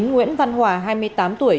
nguyễn văn hòa hai mươi tám tuổi